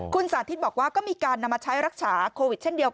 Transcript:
คุณสาธิตบอกว่าก็มีการนำมาใช้รักษาโควิดเช่นเดียว